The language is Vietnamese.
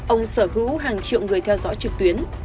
ông sở hữu hàng triệu người theo dõi trực tuyến